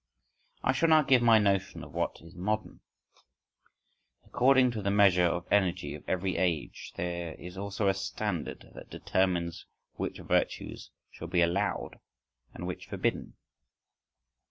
I shall now give my notion of what is modern. According to the measure of energy of every age, there is also a standard that determines which virtues shall be allowed and which forbidden.